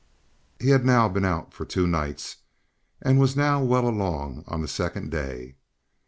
He had now been out for two nights, and was now well along on the second day.